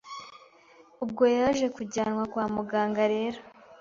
ubwo yaje kujyanwa kwa muganga rero